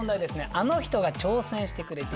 あの人が挑戦してくれています。